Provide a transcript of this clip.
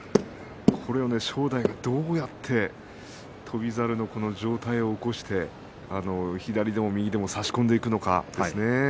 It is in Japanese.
これを正代どうやって翔猿の上体を起こして左でも右でも差し込んでいくのかですね。